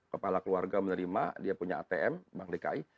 kepala keluarga menerima dia punya atm bank dki